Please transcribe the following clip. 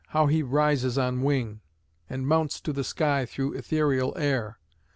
How he rises on wing, And mounts to the sky through ethereal air!